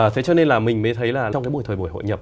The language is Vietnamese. thế cho nên là mình mới thấy là trong cái buổi thời buổi hội nhập